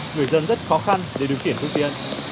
người dân rất khó khăn để điều khiển phương tiện